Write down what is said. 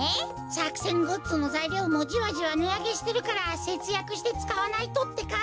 さくせんグッズのざいりょうもじわじわねあげしてるからせつやくしてつかわないとってか。